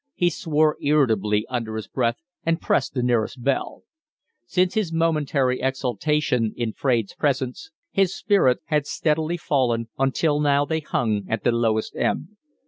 He swore irritably under his breath and pressed the nearest bell. Since his momentary exaltation in Fraide's presence, his spirits had steadily fallen, until now they hung at the lowest ebb.